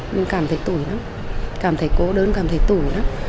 mình cảm thấy tủi lắm cảm thấy cô đơn cảm thấy tủ lắm